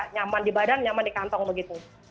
nyaman di badan nyaman di kantong begitu